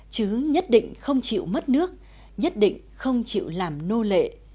chứ nhất định không chịu mất nước nhất định không chịu làm nô lệ